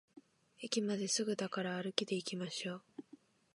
駅まですぐだから歩きでいきましょう